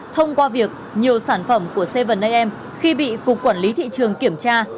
thông qua việc nhiều sản phẩm của sevan am khi bị cục quản lý thị trường kiểm tra